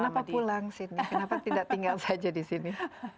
kenapa pulang sini kenapa tidak tinggal saja di sini